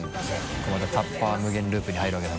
これまた容器無限ループに入るわけだ